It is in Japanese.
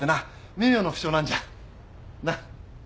名誉の負傷なんじゃなっ。